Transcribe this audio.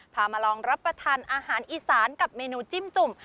มาลองรับประทานอาหารอีสานกับเมนูจิ้มจุ่ม